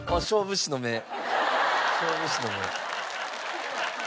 勝負師の目。